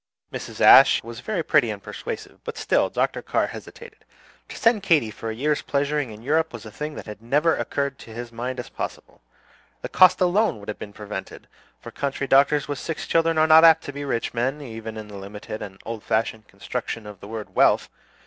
Mrs. Ashe was very pretty and persuasive, but still Dr. Carr hesitated. To send Katy for a year's pleasuring in Europe was a thing that had never occurred to his mind as possible. The cost alone would have prevented; for country doctors with six children are not apt to be rich men, even in the limited and old fashioned construction of the word "wealth."